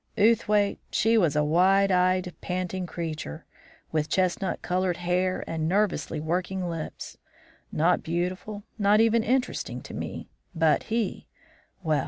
Outhwaite, she was a wild eyed, panting creature, with chestnut coloured hair and nervously working lips; not beautiful, not even interesting to me. But he well!